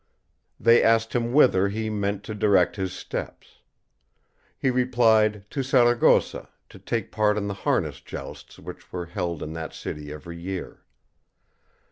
They asked him whither he meant to direct his steps. He replied, to Saragossa, to take part in the harness jousts which were held in that city every year.